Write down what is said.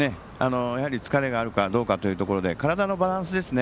疲れがあるかどうかというところで体のバランスですね。